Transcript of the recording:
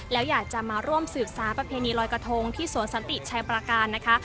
แล้วอยากจะมาร่วมสืบสารประเพณีลอยกระทงที่สวนสันติชัยประการนะคะ